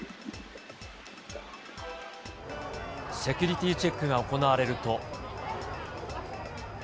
セキュリティーチェックが行われると。